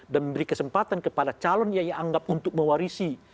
dan memberi kesempatan kepada calon yang dia anggap untuk mewarisi